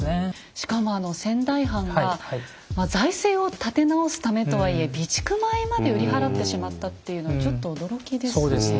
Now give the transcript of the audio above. しかも仙台藩が財政を立て直すためとはいえ備蓄米まで売り払ってしまったっていうのはちょっと驚きですね。